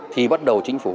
thì bắt đầu chính phủ